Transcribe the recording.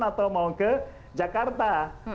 atau mau ke jakarta